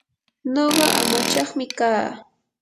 nuqa amachaqmi kaa.